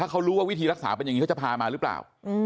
เขารู้ว่าวิธีรักษาเป็นอย่างนี้เขาจะพามาหรือเปล่า